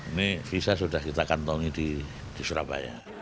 ini visa sudah kita kantongi di surabaya